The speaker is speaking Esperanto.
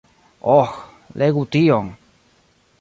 Oh, legu tion!